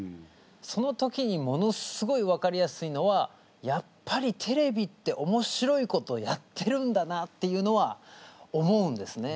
その時にものすごい分かりやすいのはやっぱりテレビっておもしろいことやってるんだなっていうのは思うんですね。